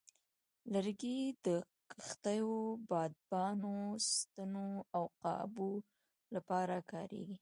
لرګي د کښتو د بادبانو، ستنو، او قابو لپاره کارېږي.